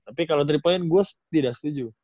tapi kalau tiga point gue tidak setuju